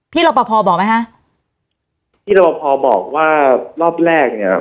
พี่รับประพอบอกไหมฮะพี่รับประพอบอกว่ารอบแรกเนี้ย